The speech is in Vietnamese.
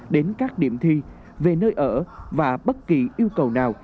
đến các điểm thi về nơi ở và bất kỳ yêu cầu nào